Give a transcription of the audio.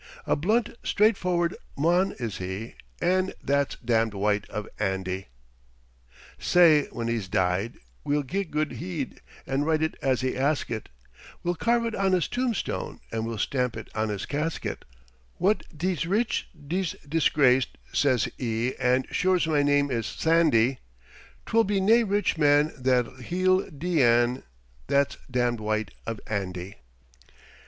A blunt, straightforward mon is he an' "That's damned white of Andy!" Sae when he's deid, we'll gie good heed, an' write it as he askit; We'll carve it on his headstone an' we'll stamp it on his casket: "Wha dees rich, dees disgraced," says he, an' sure's my name is Sandy, 'T wull be nae rich man that he'll dee an' "That's damned white of Andy!"